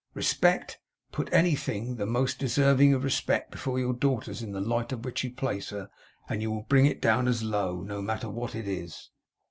Respect! Put anything the most deserving of respect before your daughters in the light in which you place her, and you will bring it down as low, no matter what it is!